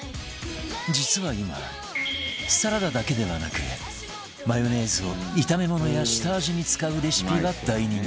実は今サラダだけではなくマヨネーズを炒め物や下味に使うレシピが大人気